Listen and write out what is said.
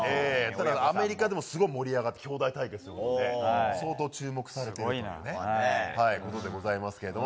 だからアメリカでもすごい盛り上がって、兄弟対決っていって、相当、注目されてるということでございますけれども。